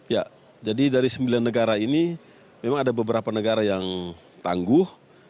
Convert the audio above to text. ya jadi dari sembilan negara ini memang ada beberapa negara yang tangguh